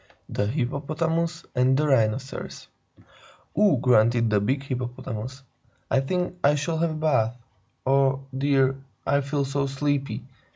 THE HIPPOPOTAMUS AND THE RHINOCEROS Anonymous "Ugh!" grunted the big Hippopotamus. "I think I shall have a bath. Oh, dear me, I feel so sleepy!"